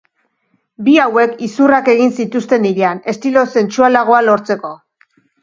Bi hauek izurrak egin zituzten ilean, estilo sentsualagoa lortzeko.